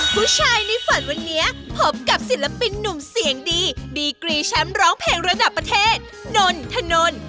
ผู้ชายในฝันวันนี้พบกับศิลปินหนุ่มเสียงดีดีกรีแชมป์ร้องเพลงระดับประเทศนนทนน